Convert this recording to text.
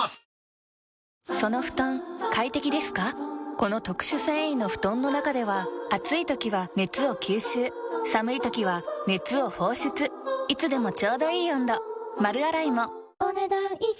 この特殊繊維の布団の中では暑い時は熱を吸収寒い時は熱を放出いつでもちょうどいい温度丸洗いもお、ねだん以上。